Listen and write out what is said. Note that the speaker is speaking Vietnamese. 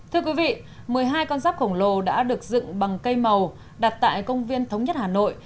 thưa quý vị một mươi hai con giáp khổng lồ đã được dựng bằng cây màu đặt tại công viên thống nhất hà nội